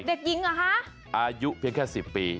เด็กหญิงเหรอคะอายุเพียงแค่๑๐ปี